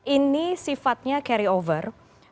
ini sifatnya carry over